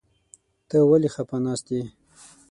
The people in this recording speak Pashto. ته ولې خپه ناست يې ؟